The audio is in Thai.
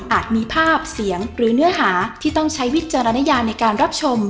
มีภาพเสียงหรือเนื้อหาที่ต้องใช้วิจารณญาในการรับชม